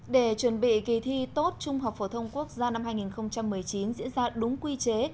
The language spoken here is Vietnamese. để chuẩn bị kỳ thi tốt trung học phổ thông quốc gia năm hai nghìn một mươi chín diễn ra đúng quy chế